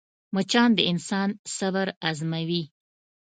مچان د انسان صبر ازموي